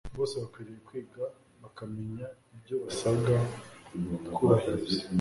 Bose bakwiriye kwiga bakamenya ibyo basabwa kubahiriza